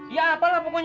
iya apalah pokoknya